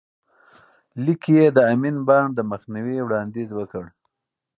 لیک کې یې د امین بانډ د مخنیوي وړاندیز وکړ.